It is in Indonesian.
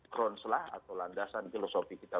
kronslah atau landasan filosofi kita